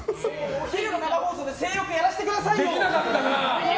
お昼の生放送で性欲やらせてくださいよ！